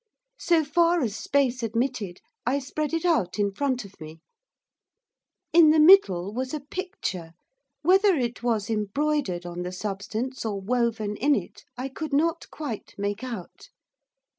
So far as space admitted I spread it out in front of me. In the middle was a picture, whether it was embroidered on the substance or woven in it, I could not quite make out.